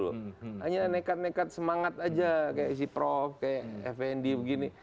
hanya nekat nekat semangat aja kayak si prof kayak fnd begini